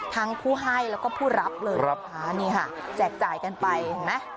ทั้งผู้ให้แล้วก็ผู้รับเลยรับอ่านี่ค่ะแจกจ่ายกันไปนะ